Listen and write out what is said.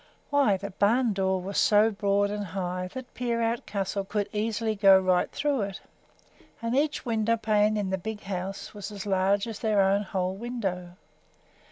Why, the barn door was so broad and high that Peerout Castle could easily go right through it, and each windowpane in the big house was as large as their own whole window.